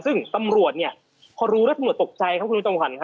ซึ่งตำรวจเนี่ยพอรู้แล้วตำรวจตกใจครับคุณจอมขวัญครับ